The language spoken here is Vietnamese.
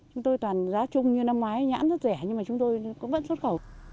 chúng tôi toàn giá chung như năm ngoái nhãn rất rẻ nhưng mà chúng tôi cũng vẫn xuất khẩu